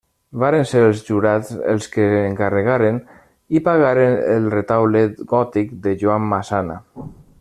Varen ser els jurats els que encarregaren i pagaren el retaule gòtic de Joan Massana.